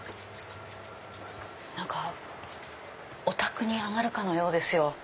お宅に上がるかのようですよ。